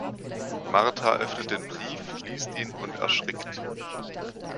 Martha öffnet den Brief, liest ihn und erschrickt.